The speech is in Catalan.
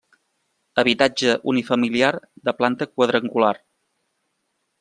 Habitatge unifamiliar de planta quadrangular.